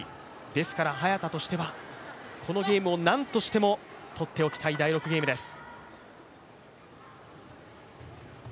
ですから早田としてはこのゲームをなんとしても取っておきたい第６ゲームです。